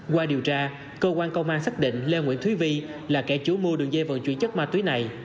qua điều tra cơ quan công an xác định lê nguyễn thúy vi là kẻ chủ mua đường dây vận chuyển chất ma túy này